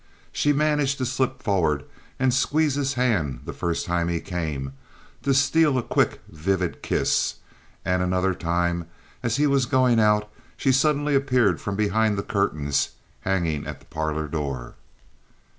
She managed to slip forward and squeeze his hand the first time he came—to steal a quick, vivid kiss; and another time, as he was going out, she suddenly appeared from behind the curtains hanging at the parlor door.